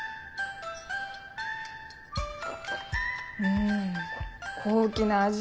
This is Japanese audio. うん高貴な味。